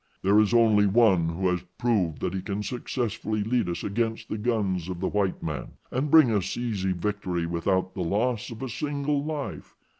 There is only one who has proved that he can successfully lead us against the guns of the white man, and bring us easy victory without the loss of a single life.